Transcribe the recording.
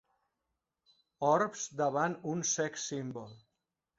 Orbs davant un sex symbol.